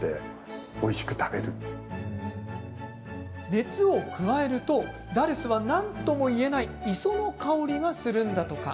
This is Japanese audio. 熱を加えるとダルスはなんともいえない磯の香りがするんだとか。